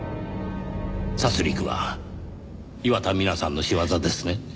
殺戮は岩田ミナさんの仕業ですね？